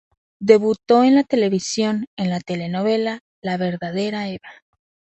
Debutó en la televisión en la telenovela "La verdadera Eva".